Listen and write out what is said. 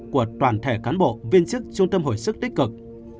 của toàn thể cán bộ viên chức trung tâm hồi sức tích cực